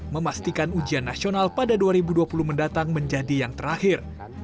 memastikan ujian nasional pada dua ribu dua puluh mendatang menjadi yang terakhir